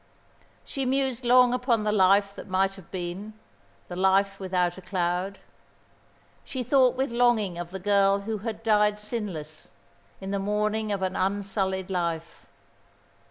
She mused long upon the life that might have been, the life without a cloud. She thought with longing of the girl who had died sinless, in the morning of an unsullied life.